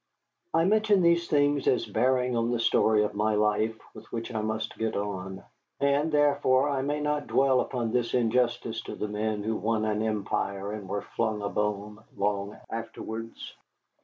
I mention these things as bearing on the story of my life, with which I must get on. And, therefore, I may not dwell upon this injustice to the men who won an empire and were flung a bone long afterwards.